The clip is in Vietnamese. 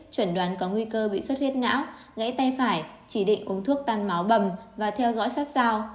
chuẩn đoán có nguy cơ bị xuất huyết não gãy tay phải chỉ định uống thuốc tăn máu bầm và theo dõi sát sao